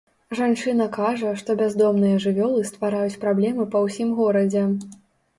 Жанчына кажа, што бяздомныя жывёлы ствараюць праблемы па ўсім горадзе.